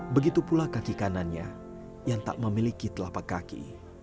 begitu pula kaki kanannya yang tak memiliki telapak kaki